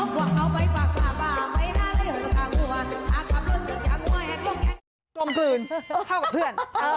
กลมกลืนเข้ากับเพื่อน